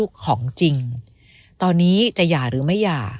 ก็จะเป็นหญ้าความสุขค่ะ